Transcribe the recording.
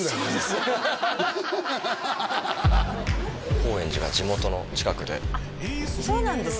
高円寺が地元の近くであっそうなんですね